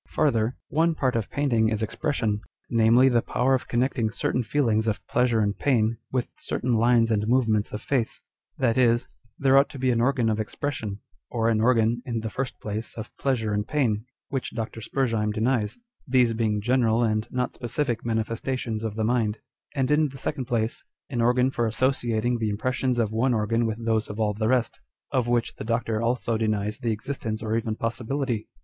Farther, one part of painting is expression, namely, the power of connecting certain feelings of pleasure and pain with certain lines and movements of face ; that is, there ought to be an organ of expression, or an organ, in the first place, of pleasure and pain â€" which Dr. Spurzheim denies, â€" these being general and not specific manifestations of the mind ; and in the second place, an organ for associating the im pressions of one organ with those of all the rest â€" of ^iiich the Doctor also denies the existence or even possi bility.